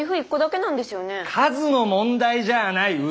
数の問題じゃあないッ。